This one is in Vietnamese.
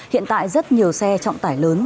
hiện tại rất nhiều xe trọng tải lớn